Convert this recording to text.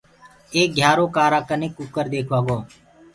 ايڪ گھيآرو ڪآرآ ڪني ڪٚڪَر ديکوآ گو۔